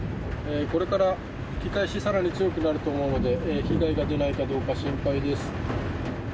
これから吹き返し更に強くなると思うので被害が出ないかどうか心配です。